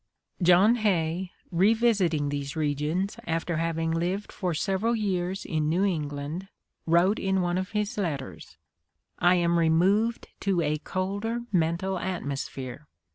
John Hay, revisiting these regions after having lived for several years in New England, wrote in one of his let ters: "I am removed to a colder mental atmosphere.